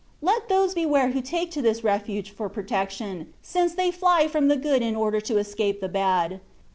Let those beware who take to this refuge for protection, since they fly from the good in order to escape the bad.